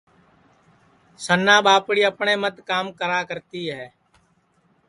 سنا ٻاپڑی اپٹؔیں متے کام کراکرتی ہے